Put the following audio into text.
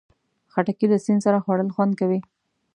خټکی له سیند سره خوړل خوند کوي.